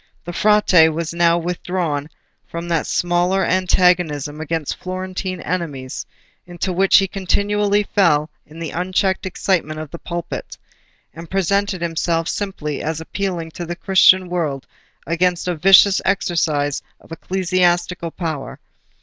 The Frate was now withdrawn from that smaller antagonism against Florentine enemies into which he continually fell in the unchecked excitement of the pulpit, and presented himself simply as appealing to the Christian world against a vicious exercise of ecclesiastical power.